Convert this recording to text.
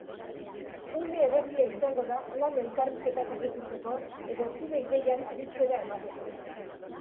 Une egokia izango da lan elkarrizketak edukitzeko, edo zure ideiak aditzera emateko.